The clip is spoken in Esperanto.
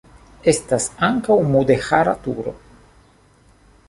Estas ankaŭ mudeĥara turo.